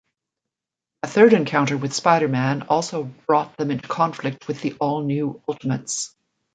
A third encounter with Spider-Man also brought them into conflict with the All-New Ultimates.